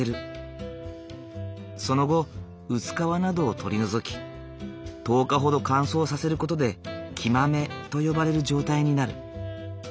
その後薄皮などを取り除き１０日ほど乾燥させる事で生豆と呼ばれる状態になる。